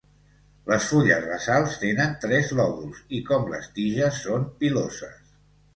Les fulles basals tenen tres lòbuls i com les tiges són piloses.